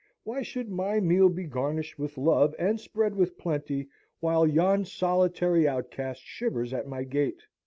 Why should my meal be garnished with love, and spread with plenty, while yon solitary outcast shivers at my gate?